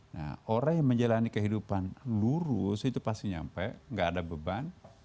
nah orang yang menjalani kehidupan lurus itu pasti nyampe gak ada beban